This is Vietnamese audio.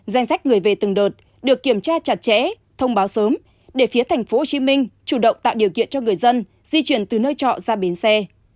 danh sách người về từng đợt được kiểm tra chặt chẽ thông báo sớm để phía tp hcm chủ động tạo điều kiện cho người dân di chuyển từ nơi trọ ra bến xe